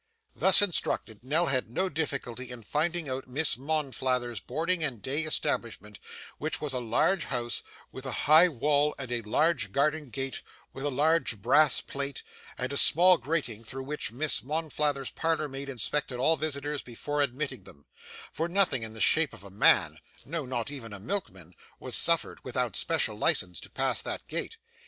Thus instructed, Nell had no difficulty in finding out Miss Monflathers's Boarding and Day Establishment, which was a large house, with a high wall, and a large garden gate with a large brass plate, and a small grating through which Miss Monflathers's parlour maid inspected all visitors before admitting them; for nothing in the shape of a man no, not even a milkman was suffered, without special license, to pass that gate.